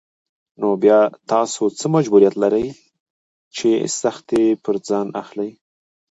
نو بيا تاسو څه مجبوريت لرئ چې سختۍ پر ځان اخلئ.